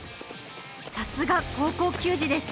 さすが高校球児です。